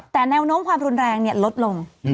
แต่แนวโน้มความรุนแรงลดลง